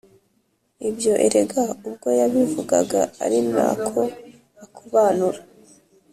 ibyo erega ubwo yabivugaga ari na ko akubanura